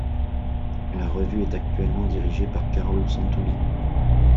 La revue est actuellement dirigée par Carlo Santulli.